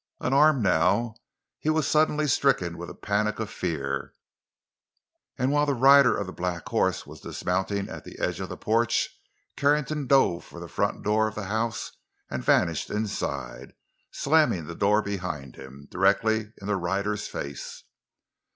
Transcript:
Unarmed now, he was suddenly stricken with a panic of fear; and while the rider of the black horse was dismounting at the edge of the porch, Carrington dove for the front door of the house and vanished inside, slamming the door behind him, directly in the rider's face.